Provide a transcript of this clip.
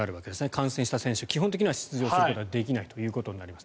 感染した選手基本的には出場することはできないということになります。